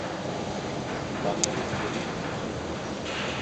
Laxeri st̆eri dzitsu.